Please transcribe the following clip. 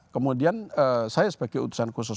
kemudian saya sebagai utusan khusus